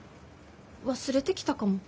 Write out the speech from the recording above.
忘れてきたかも。